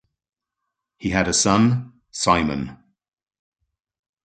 He had a son, Simon.